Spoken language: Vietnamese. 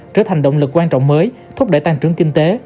trở thành động lực quan trọng mới thúc đẩy tăng trưởng kinh tế